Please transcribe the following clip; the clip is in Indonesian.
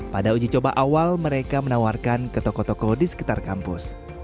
pada uji coba awal mereka menawarkan ke toko toko di sekitar kampus